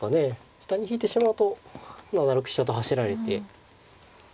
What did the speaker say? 下に引いてしまうと７六飛車と走られて。